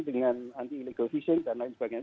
dengan anti illegal fishing dan lain sebagainya